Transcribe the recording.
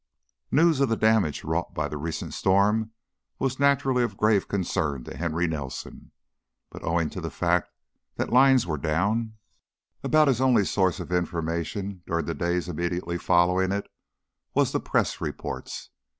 News of the damage wrought by the recent storm was naturally of grave concern to Henry Nelson, but owing to the fact that lines were down, about his only source of information, during the days immediately following it, was the press reports.